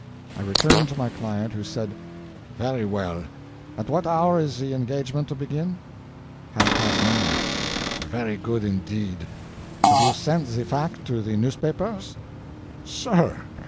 I returned to my client, who said, "Very well; at what hour is the engagement to begin?" "Half past nine." "Very good indeed. Have you sent the fact to the newspapers?" "SIR!